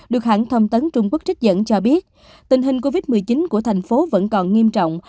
được hãng thông tấn trung quốc trích dẫn cho biết tình hình covid một mươi chín của thành phố vẫn còn nghiêm trọng